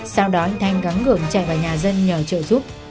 sau đó anh thanh gắn ngưỡng chạy vào nhà dân nhờ trợ giúp